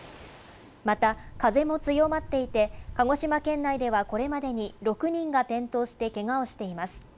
また風も強まっていて鹿児島県内ではこれまでに６人が転倒してけがをしています